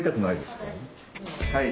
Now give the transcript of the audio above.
はい。